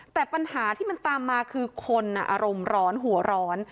แต่ปัญหาที่มันตามมาคือคนอารมณ์ร้อนหัวร้อน